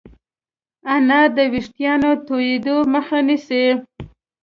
انار د ويښتانو تویدو مخه نیسي.